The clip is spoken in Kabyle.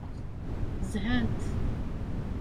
Zhant.